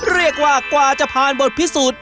เรียกว่ากว่าจะผ่านบทพิสูจน์